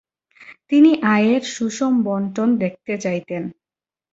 তিনি আয়ের সুষম বণ্টন দেখতে চাইতেন।